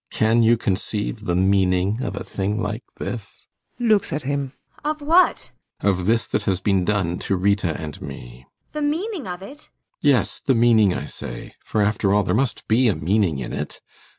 ] Can you conceive the meaning of a thing like this? ASTA. [Looks at him.] Of what? ALLMERS. Of this that has been done to Rita and me. ASTA. The meaning of it? ALLMERS. [Impatiently.] Yes, the meaning, I say. For, after all, there must be a meaning in it.